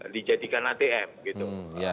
dijadikan atm gitu